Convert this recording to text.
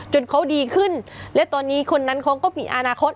เขาดีขึ้นและตอนนี้คนนั้นเขาก็มีอนาคต